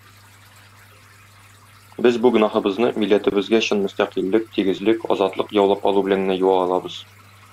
Без бу гөнаһыбызны милләтебезгә чын мөстәкыйльлек, тигезлек, азатлык яулап алу белән генә юа алабыз.